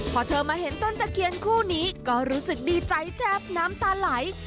พอเธอมาเห็นต้นตะเคียนคู่นี้ก็รู้สึกดีใจแจ๊บน้ำตาไหล